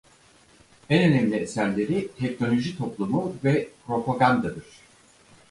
En önemli eserleri "Teknoloji Toplumu" ve "Propaganda"dır.